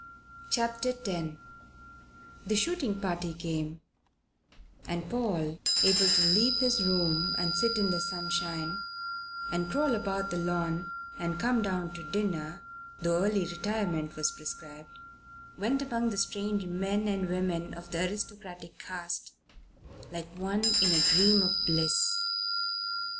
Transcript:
CHAPTER X THE shooting party came, and Paul, able to leave his room and sit in the sunshine and crawl about the lawn and come down to dinner, though early retirement was prescribed, went among the strange men and women of the aristocratic caste like one in a dream of bliss.